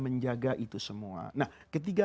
menjaga itu semua nah ketiga